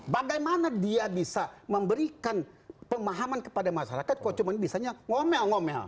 bagaimana dia bisa memberikan pemahaman kepada masyarakat kok cuma bisanya ngomel ngomel